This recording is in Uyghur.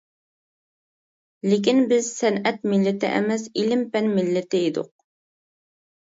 لېكىن بىز سەنئەت مىللىتى ئەمەس ئىلىم-پەن مىللىتى ئىدۇق.